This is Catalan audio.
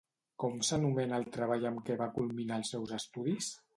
Com s'anomena el treball amb què va culminar els seus estudis?